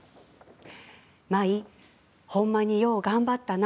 舞、ほんまによう頑張ったな。